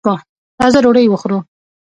راځه ډوډۍ وخورو.